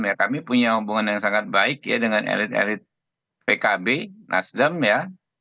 ya kami punya hubungan yang sangat baik ya dengan elit elit pkb nasdem ya